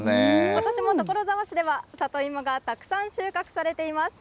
ことしも所沢市では、里芋がたくさん収穫されています。